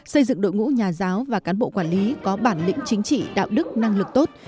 xây dựng đội ngũ nhà giáo và cán bộ quản lý có bản lĩnh chính trị đạo đức năng lực tốt